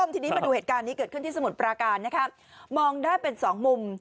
ทีนี้มาดูเหตุการณ์นี้เกิดขึ้นที่สมุทรปราการนะครับมองได้เป็นสองมุม